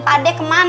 pak d kemana